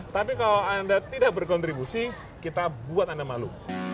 tapi kalau anda tidak berkontribusi kita buat anda malu